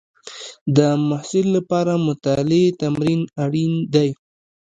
د محصل لپاره مطالعې تمرین اړین دی.